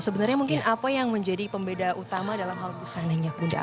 sebenarnya mungkin apa yang menjadi pembeda utama dalam hal busananya bunda